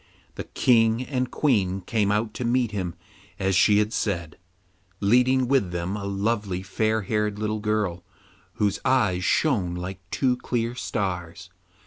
The King and Queen came out to meet him as she had said, leading with them a lovely fair haired little girl, whose eyes shone like two clear stars.